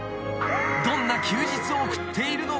［どんな休日を送っているのか？］